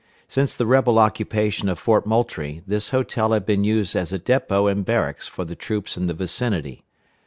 Since the rebel occupation of Fort Moultrie, this hotel had been used as a dépôt and barracks for the troops in the vicinity.